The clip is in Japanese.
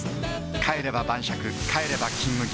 帰れば晩酌帰れば「金麦」